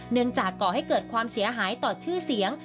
จากก่อให้เกิดความเสียหายต่อชื่อเสียง